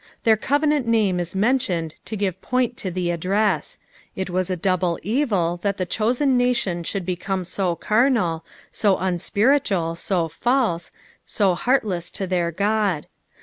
Their covenant name is mentioned to sive point to the address ; it was a double evil that the chosen nation should become so carnal, so un spiritual, so false, so heartless to their Ood.